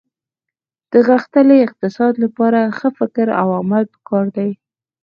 د غښتلي اقتصاد لپاره ښه فکر او عمل په کار دي